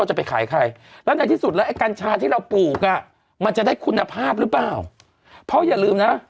จะไปขายใครแล้วที่สุดแล้วกัญชาถ้าเราปูกมันจะได้คุณภาพบ้างอ้าวพ่ออย่าลืมนะ